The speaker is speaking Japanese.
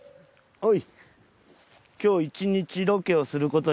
はい。